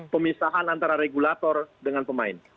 pemisahan antara regulator dengan pemain